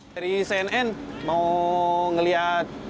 dari cnn mau melihat